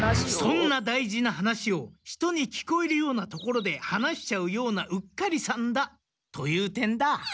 そんな大事な話を人に聞こえるような所で話しちゃうようなうっかりさんだ！という点だ。